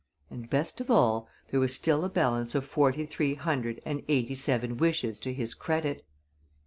And, best of all, there was still a balance of forty three hundred and eighty seven wishes to his credit!